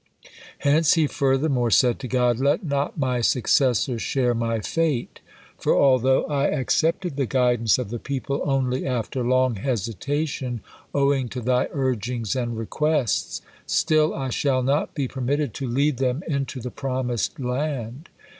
Hence he furthermore said to God: "Let not my successor share my fate, for although I accepted the guidance of the people only after long hesitation, owing to Thy urgings and requests, still I shall not be permitted to lead them into the promised land.